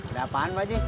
ada apaan pak aji